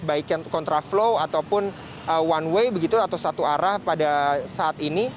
baik yang kontraflow ataupun one way begitu atau satu arah pada saat ini